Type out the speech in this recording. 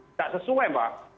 tidak sesuai mbak